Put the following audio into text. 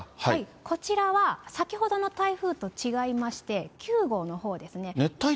こちらは先ほどの台風と違いまして、９号のほうですね。